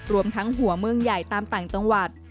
รวมทั้งหัวเมืองใหญ่ตามต่างจังหวัด